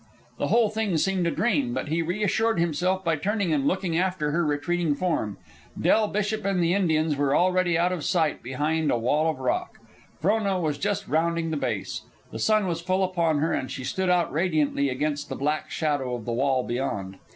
The whole thing seemed a dream, and he reassured himself by turning and looking after her retreating form. Del Bishop and the Indians were already out of sight behind a wall of rock. Frona was just rounding the base. The sun was full upon her, and she stood out radiantly against the black shadow of the wall beyond.